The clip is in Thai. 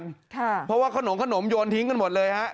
เพราะว่าขนมขนมโยนทิ้งกันหมดเลยฮะ